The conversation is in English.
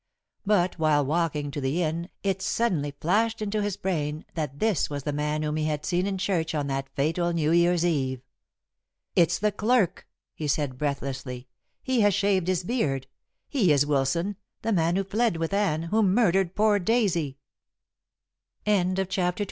But while walking to the inn it suddenly flashed into his brain that this was the man whom he had seen in church on that fatal New Year's Eve. "It's the clerk," he said breathlessly. "He has shaved his beard. He is Wilson, the man who fled with Anne, who murdered poor Daisy!" CHAPTER XIII MRS.